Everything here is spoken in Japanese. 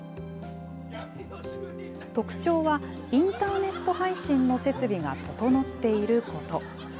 特徴は、インターネット配信の設備が整っていること。